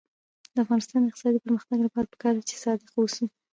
د افغانستان د اقتصادي پرمختګ لپاره پکار ده چې صادق اوسو.